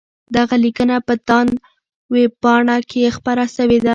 دغه لیکنه په تاند ویبپاڼه کي خپره سوې ده.